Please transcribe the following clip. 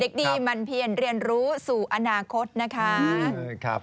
เด็กดีมาเปลี่ยนเรียนรู้สู่อนาคตนะคะ